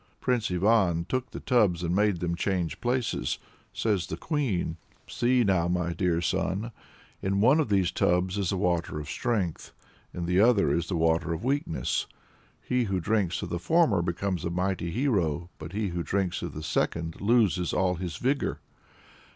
Prince Ivan took the tubs and made them change places. Says the Queen "See now, my dear son; in one of these tubs is the 'Water of Strength,' in the other is the 'Water of Weakness.' He who drinks of the former becomes a mighty hero, but he who drinks of the second loses all his vigor.